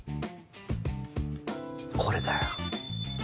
これだよ。